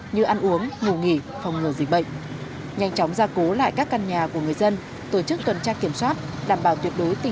như ăn uống ngủ nghỉ phòng ngừa dịch bệnh nhanh chóng ra cố lại các căn nhà của người dân tổ chức tuần tra kiểm soát